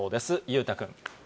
裕太君。